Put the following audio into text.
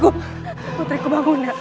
putriku bang munda